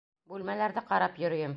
Бүлмәләрҙе ҡарап йөрөйөм.